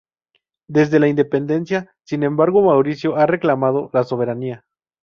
Desde la independencia, sin embargo, Mauricio ha reclamado la soberanía.